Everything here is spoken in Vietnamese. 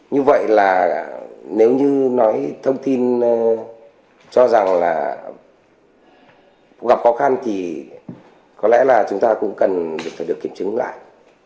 như vậy là nếu như nói thông tin cho rằng là gặp khó khăn thì có lẽ là chúng ta cũng cần phải được kiểm chứng lại